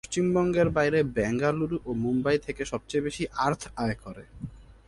পশ্চিমবঙ্গের বাইরে বেঙ্গালুরু ও মুম্বাই থেকে সবচেয়ে বেশি আর্থ আয় করে।